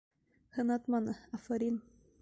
Һынатманы, афарин!